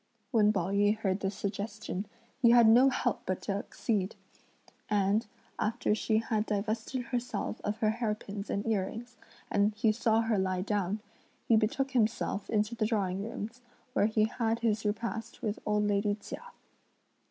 When Pao yü heard this suggestion, he had no help but to accede, and, after she had divested herself of her hair pins and earrings, and he saw her lie down, he betook himself into the drawing rooms, where he had his repast with old lady Chia.